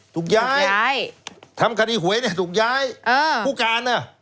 ถูกย้ายถูกย้ายทำคดีหวยเนี้ยถูกย้ายเอ่อผู้การอ่ะ